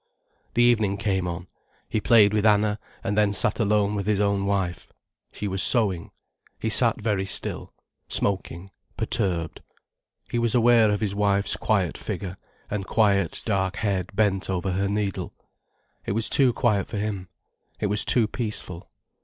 The evening came on, he played with Anna, and then sat alone with his own wife. She was sewing. He sat very still, smoking, perturbed. He was aware of his wife's quiet figure, and quiet dark head bent over her needle. It was too quiet for him. It was too peaceful.